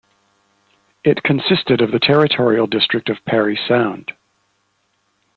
It consisted of the territorial district of Parry Sound.